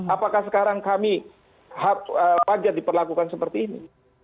apakah sekarang kami wajar diperlakukan seperti ini